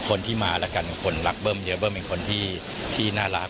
คนที่มาแล้วกันคนรักเบิ้มเยอะเบิ้มเป็นคนที่น่ารัก